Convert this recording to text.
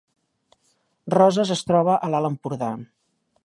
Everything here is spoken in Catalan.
Roses es troba a l’Alt Empordà